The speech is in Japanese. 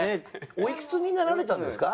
おいくつになられたんですか？